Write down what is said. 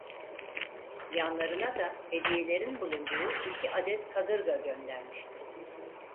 Yanlarına da hediyelerin bulunduğu iki adet kadırga göndermişti.